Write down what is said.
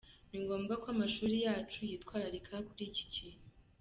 Ni ngombwa ko amashuri yacu yitwararika kuri iki kintu.